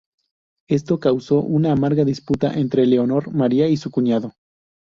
Esto causó una amarga disputa entre Leonor María y su cuñado.